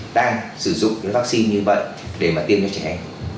đang sử dụng cái vaccine như vậy để mà tiêm cho trẻ